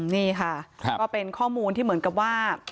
นี่ค่ะก็เป็นข้อมูลที่เหมือนกับว่า